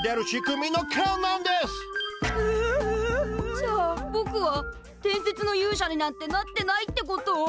じゃあぼくは伝説の勇者になんてなってないってこと！？